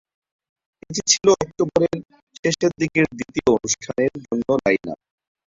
এটি ছিল অক্টোবরের শেষের দিকে দ্বিতীয় অনুষ্ঠানের জন্য লাইনআপ।